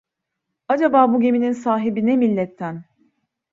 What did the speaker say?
Acaba bu geminin sahibi ne milletten?